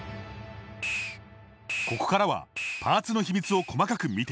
ここからはパーツの秘密を細かく見ていく。